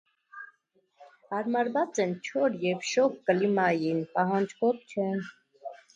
Հարմարված են չոր և շոգ կլիմային, պահանջկոտ չեն։